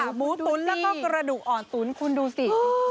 หมูตุ๋นแล้วก็กระดูกอ่อนตุ๋นคุณดูสิ